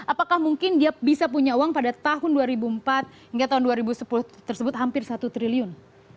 apakah mungkin dia bisa punya uang pada tahun dua ribu empat hingga tahun dua ribu sepuluh tersebut hampir satu triliun